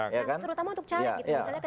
terutama untuk caleg